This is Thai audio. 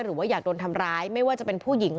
หรือว่าอยากโดนทำร้ายไม่ว่าจะเป็นผู้หญิง